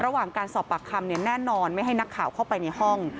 ระหว่างการสอบปากคำเนี่ยแน่นอนไม่ให้นักข่าวเข้าไปในห้อง